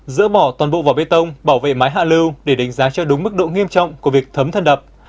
dỡ bỏ toàn bộ vào bê tông bảo vệ mái hạ lưu để đánh giá cho đúng mức độ nghiêm trọng của việc thấm thân đập